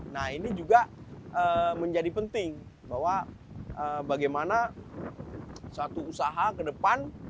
nah ini juga menjadi penting bahwa bagaimana satu usaha ke depan